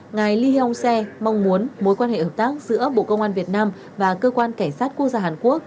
ngài lee hyong se mong muốn mối quan hệ hợp tác giữa bộ công an việt nam và cơ quan cảnh sát quốc gia hàn quốc